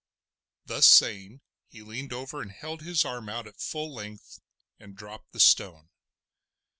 Thus saying, he leaned over and held his arm out at full length and dropped the stone.